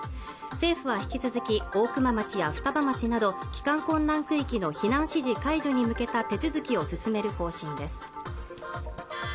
政府は引き続き大熊町や双葉町など帰還困難区域の避難指示解除に向けた手続きを進める方針です